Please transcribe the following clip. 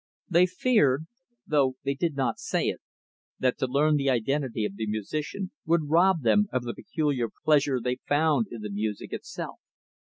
They feared though they did not say it that to learn the identity of the musician would rob them of the peculiar pleasure they found in the music, itself.